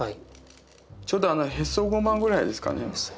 ちょうどへそごまぐらいですかね？